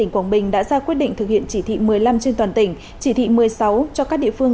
tỉnh quảng bình đã ra quyết định thực hiện chỉ thị một mươi năm trên toàn tỉnh chỉ thị một mươi sáu cho các địa phương